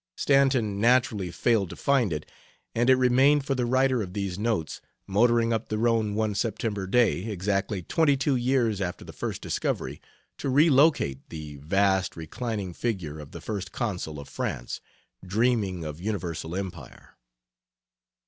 Stanton naturally failed to find it, and it remained for the writer of these notes, motoring up the Rhone one September day, exactly twenty two years after the first discovery, to re locate the vast reclining figure of the first consul of France, "dreaming of Universal Empire."